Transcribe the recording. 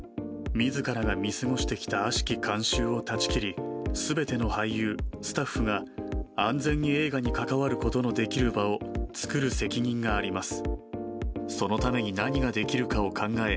自ら見過ごしてきた悪しき慣習を断ち切り全ての俳優スタッフが安全に映画に関わることのできる場を作る責任があります。